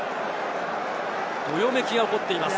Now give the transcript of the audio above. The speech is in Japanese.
どよめきが起こっています。